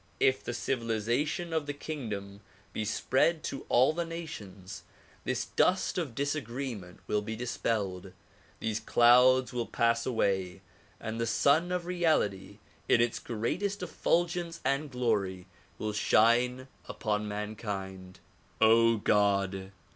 If the civilization of the kingdom be spread to all the nations, this dust of disagreement will be dispelled, these clouds will pass away and the Sun of Reality in its greatest effulgence and gloi y will shine upon man kind. God!